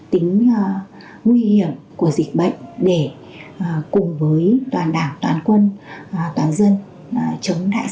tính nguy hiểm của dịch bệnh để cùng với toàn đảng toàn quân toàn dân chống đại